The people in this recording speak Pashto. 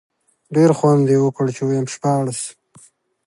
ډېر خوند یې وکړ، چې وایم شپاړس.